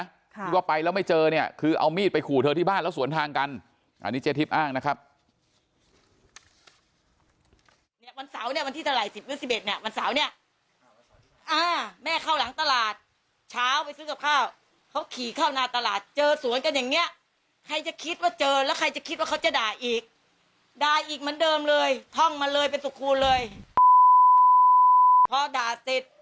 ที่ว่าไปแล้วไม่เจอเนี่ยคือเอามีดไปขู่เธอที่บ้านแล้วสวนทางกันอันนี้เจ๊ทิพย์อ้างนะครับ